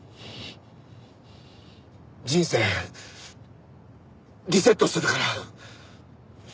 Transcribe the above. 人生リセットするから。